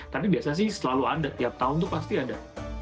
tapi biasa sih selalu ada tiap tahun itu pasti ada